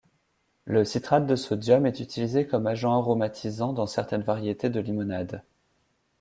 Le citrate de sodium est utilisé comme agent aromatisant dans certaines variétés de limonades.